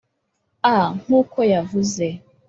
a nk'uko yavuze.